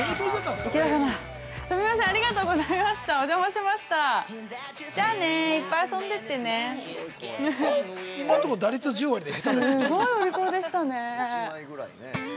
すごいお利口でしたね。